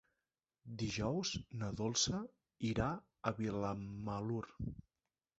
Dijous na Dolça irà a Vilamalur.